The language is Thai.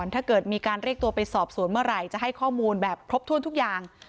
ถ้าเกิดมีการเรียกตัวไปสอบสวนเมื่อไหร่จะให้ข้อมูลแบบครบถ้วนทุกอย่าง